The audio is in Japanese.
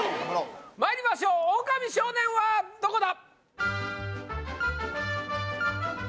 まいりましょうオオカミ少年はどこだ？